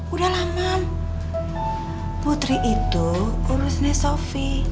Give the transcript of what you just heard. udahlah mam putri itu urusinnya sofi